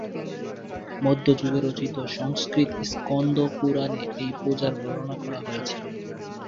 মধ্যযুগে রচিত সংস্কৃত স্কন্দ পুরাণে এই পূজার বর্ণনা করা হয়েছে।